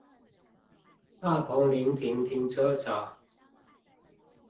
大鵬臨停停車場